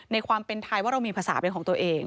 ความเป็นไทยว่าเรามีภาษาเป็นของตัวเอง